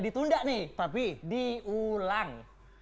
ditunda nih tapi diulang